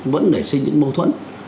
vẫn nảy sinh những mâu thuẫn